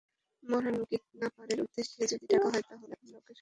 মারান, কিডন্যাপারের উদ্দেশ্য যদি টাকা হয়, তাহলে আমরা ওকে সহজেই ধরতে পারব।